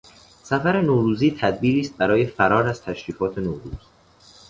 سفر نوروزی تدبیری است برای فرار از تشریفات نوروز.